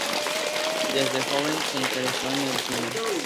Desde joven se interesó en el cine.